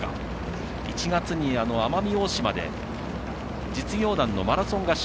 １月に奄美大島で実業団のマラソン合宿。